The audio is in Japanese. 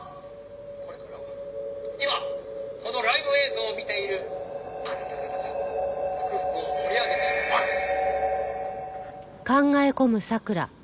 これからは今このライブ映像を見ているあなた方が福々を盛り上げていく番です！」